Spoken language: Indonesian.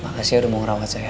makasih udah mau ngerawat saya